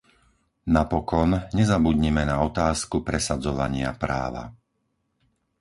Napokon, nezabudnime na otázku presadzovania práva.